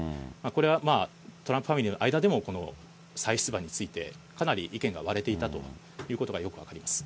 これはトランプファミリーの間でも、再出馬について、かなり意見が割れていたということがよく分かります。